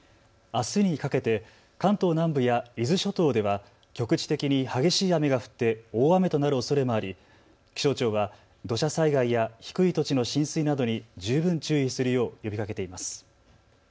あすにかけて関東南部や伊豆諸島では局地的に激しい雨が降って大雨となるおそれもあり気象庁は土砂災害や低い土地の浸水などに十分注意するよう呼びかけています。